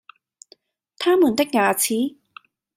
他們的牙齒，